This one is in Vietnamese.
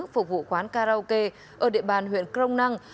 phục vụ quán karaoke ở địa bàn huyện crong năng